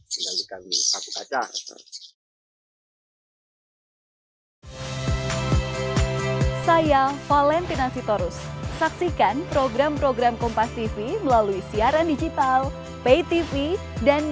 tinggal ikan satu kaca